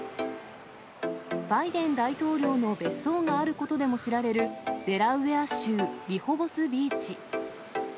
バイデン大統領の別荘があることでも知られる、デラウェア州リホボスビーチ。